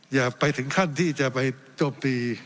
อย่าไปถึงขั้นที่จะไปโจมตี